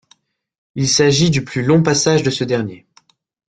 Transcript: Il s'agit du plus long passage de ce dernier.